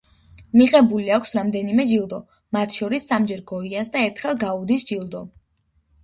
მიღებული აქვს რამდენიმე ჯილდო, მათ შორის სამჯერ გოიას და ერთხელ გაუდის ჯილდო.